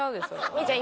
みぃちゃん